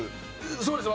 そうです。